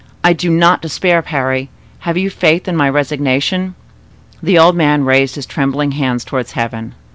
I do not despair, Parry; have you faith in my resignation?" The old man raised his trembling hands towards heaven.